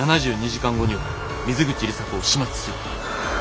「７２時間後には水口里紗子を始末する」。